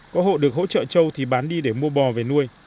có hộ được hỗ trợ trâu thì bán đi để mua bò về nuôi